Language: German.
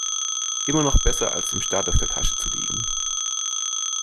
Immer noch besser, als dem Staat auf der Tasche zu liegen.